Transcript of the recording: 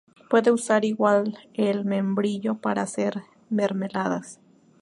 Puede usarse igual al membrillo para hacer mermeladas.